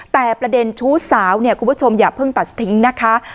แต่ประเด็นชู้สาวเนี่ยคุณผู้ชมอย่าเพิ่งตัดทิ้งนะคะ